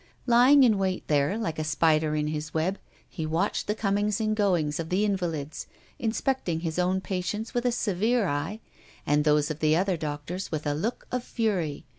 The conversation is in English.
Lying in wait there, like a spider in his web, he watched the comings and goings of the invalids, inspecting his own patients with a severe eye and those of the other doctors with a look of fury.